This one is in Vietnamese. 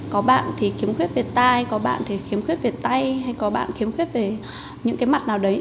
có bạn thì khiếm khuyết về tai có bạn thì khiếm khuyết về tay hay có bạn khiếm khuyết về những cái mặt nào đấy